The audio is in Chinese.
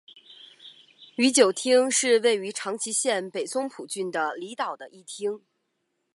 宇久町是位于长崎县北松浦郡的离岛的一町。